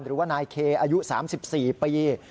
หรือว่านายเคอายุ๓๔ปี